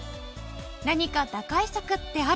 何か打開策ってあるの？